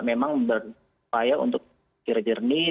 memang berupaya untuk pikir jernih